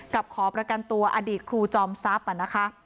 กับขอประกันตัวอดีตครูจอมทรัพย์